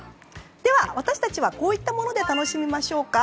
私たちはこういったもので楽しみましょうか。